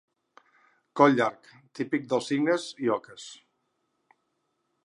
Coll llarg, típic dels cignes i oques.